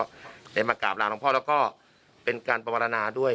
เรียกมากราบราวของพ่อแล้วก็เป็นการประมาณนาด้วย